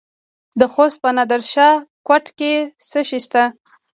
د خوست په نادر شاه کوټ کې څه شی شته؟